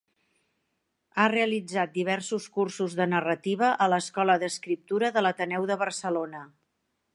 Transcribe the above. Ha realitzat diversos cursos de narrativa a l'Escola d'Escriptura de l'Ateneu de Barcelona.